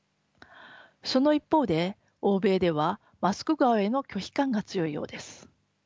その一方で欧米ではマスク顔への拒否感が強いようです。